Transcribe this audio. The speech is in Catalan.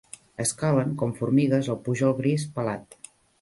Escalen, com formigues, el pujol gris, pelat